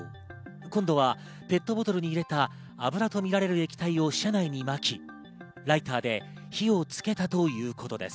今度はペットボトルに入れた油とみられる液体を車内にまき、ライターで火をつけたということです。